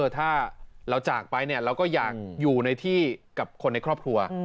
ถ้าเราจากไปเราก็อยากอยู่ในที่กับคนในครอบครัว